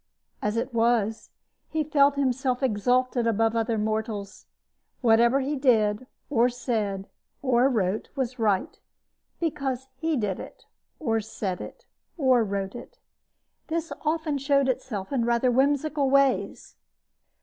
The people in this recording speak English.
As it was, he felt himself exalted above other mortals. Whatever he did or said or wrote was right because he did it or said it or wrote it. This often showed itself in rather whimsical ways.